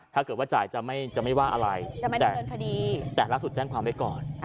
ถ้าเกิดว่าจ่ายจะไม่ว่าอะไรแต่ล่าสุดแจ้งความไว้ก่อน